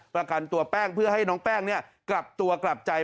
ประกันตัวแป้งเพื่อให้น้องแป้งกลับตัวกลับใจ